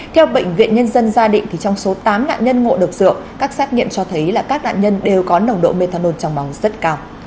theo bệnh viện nhân dân gia định trong số tám nạn nhân ngộ độc dựa các xác nghiệm cho thấy các nạn nhân đều có nồng độ methanol trong bóng rất cao